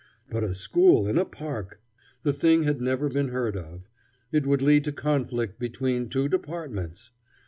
But a school in a park! The thing had never been heard of. It would lead to conflict between two departments!